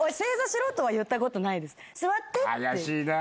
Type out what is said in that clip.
怪しいな。